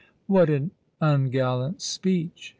"What an ungallant speech!"